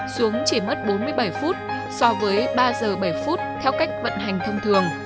xuống chỉ mất bốn mươi bảy phút so với ba giờ bảy phút theo cách vận hành thông thường